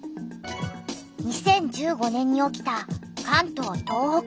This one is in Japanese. ２０１５年に起きた関東・東北豪雨。